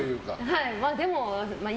はい。